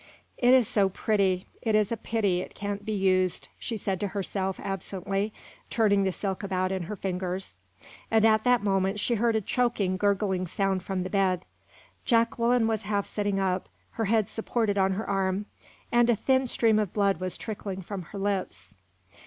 "It is so pretty, it is a pity it can't be used," she said to herself, absently, turning the silk about in her fingers; and at that moment she heard a choking, gurgling sound from the bed. Jacqueline was half sitting up, her head supported on her arm, and a thin stream of blood was trickling from her lips.